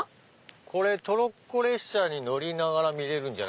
これトロッコ列車に乗りながら見れるんじゃないかな。